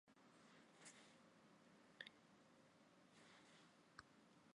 历官直隶武清县知县。